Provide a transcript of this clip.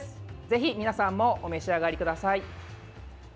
ぜひ皆さんもお召し上がりください。